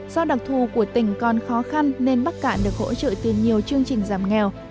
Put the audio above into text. do đặc thù của tỉnh còn khó khăn nên bắc cạn được hỗ trợ từ nhiều chương trình giảm nghèo